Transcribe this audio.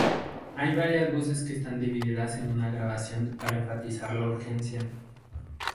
Hay varias voces que están divididas en una grabación para enfatizar la urgencia.